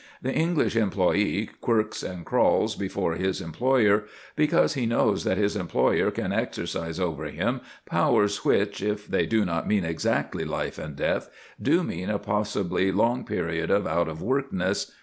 The English employee quirks and crawls before his employer, because he knows that his employer can exercise over him powers which, if they do not mean exactly life and death, do mean a possibly long period of out of workness.